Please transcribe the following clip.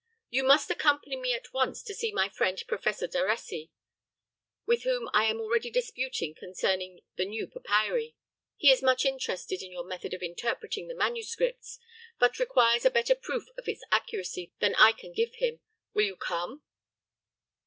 "You must accompany me at once to see my friend Professor Daressy, with whom I am already disputing concerning the new papyri. He is much interested in your method of interpreting the manuscripts, but requires a better proof of its accuracy than I can give him. Will you come?"